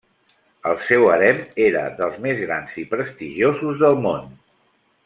El seu harem era dels més grans i prestigiosos del món.